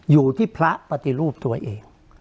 อยู่ที่พระปฏิรูปตัวเอง